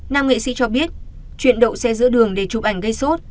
nam nghệ sĩ cho biết chuyện đậu xe giữa đường để chụp ảnh gây sốt